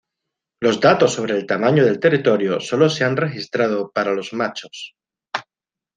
Los datos sobre el tamaño del territorio solo se han registrado para los machos.